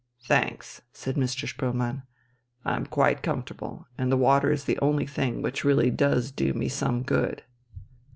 "Thanks," said Mr. Spoelmann, "I'm quite comfortable, and the water is the only thing which really does do me some good."